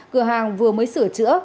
cửa hàng vừa mới sửa chữa